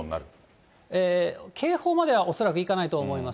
警報までは恐らくいかないと思います。